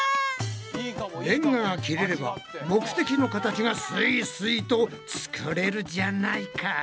レンガが切れれば目的の形がすいすいと作れるじゃないか！